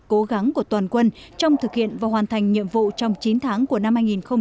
cố gắng của toàn quân trong thực hiện và hoàn thành nhiệm vụ trong chín tháng của năm hai nghìn hai mươi